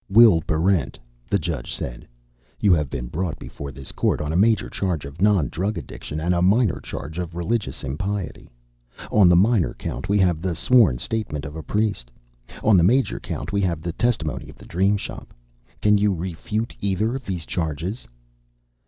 "Will Barrent," the judge said, "you have been brought before this court on a major charge of non drug addiction and a minor charge of religious impiety. On the minor count we have the sworn statement of a priest. On the major count we have the testimony of the Dream Shop. Can you refute either of these charges?"